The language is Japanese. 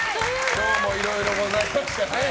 今日もいろいろございましたね。